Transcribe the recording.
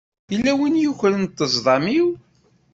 Yella win i yukren ṭṭezḍam-iw.